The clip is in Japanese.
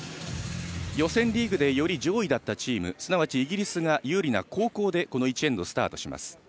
予選リーグでより上位だったチームすなわちイギリスが有利な後攻でこの１エンド、スタートします。